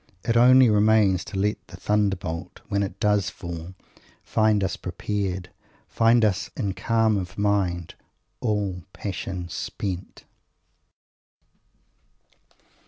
It only remains to let the thunderbolt, when it does fall, find us prepared; find us in calm of mind, "all passion spent."